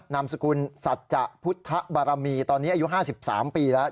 นามสกุลสัจจะพุทธะบารมีตอนนี้อายุห้าสิบสามปีแล้ว